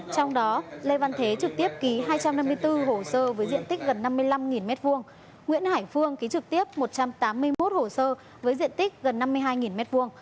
trong đó lê văn thế trực tiếp ký hai trăm năm mươi bốn hồ sơ với diện tích gần năm mươi năm m hai nguyễn hải phương ký trực tiếp một trăm tám mươi một hồ sơ với diện tích gần năm mươi hai m hai